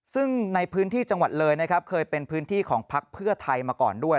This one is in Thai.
ซึ่งในพื้นที่จังหวัดเลยนะครับเคยเป็นพื้นที่ของพักเพื่อไทยมาก่อนด้วย